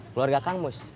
keluarga kang bus